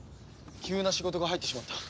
急な仕事が入ってしまった。